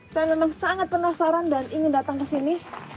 saya memang sangat penasaran dan ingin datang ke sini